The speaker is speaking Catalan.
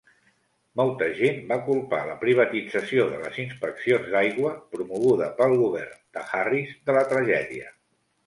Molta gent va culpar la privatització de les inspeccions d'aigua promoguda pel govern de Harris de la tragèdia.